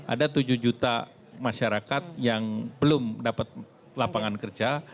ada tujuh juta masyarakat yang belum dapat lapangan kerja